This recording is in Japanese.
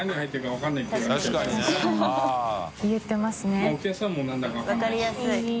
わかりやすい。